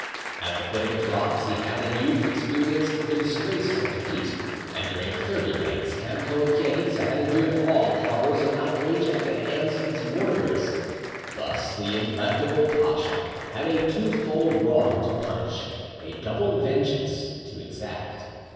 At the foot of its rocks he had, in youth, experienced the disgrace of defeat, and during thirty nights Kamco and Chainitza had endured all horrors of outrage at the hands of its warriors. Thus the implacable pacha had a twofold wrong to punish, a double vengeance to exact.